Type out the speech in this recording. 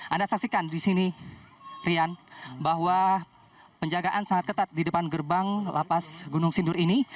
anda saksikan di sini rian bahwa penjagaan sangat ketat di depan gerbang lapas gunung sindur ini